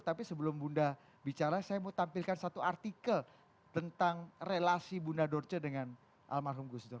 tapi sebelum bunda bicara saya mau tampilkan satu artikel tentang relasi bunda dorce dengan almarhum gus dur